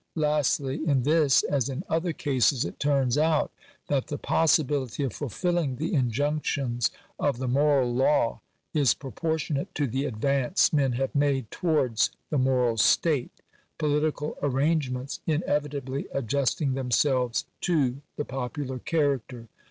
Lastly, in this, as in other cases, it turns out that the possibility of fulfilling the injunctions of the moral law is proportionate to the advance men have made towards the moral state ; political arrangements inevitably adjusting themselves to the popular character.